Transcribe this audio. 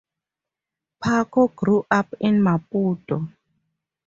Paco grew up in Maputo.